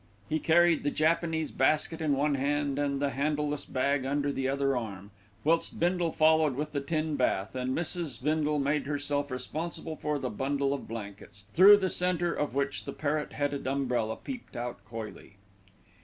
He carried the Japanese basket in one hand, and the handleless bag under the other arm, whilst Bindle followed with the tin bath, and Mrs. Bindle made herself responsible for the bundle of blankets, through the centre of which the parrot headed umbrella peeped out coyly.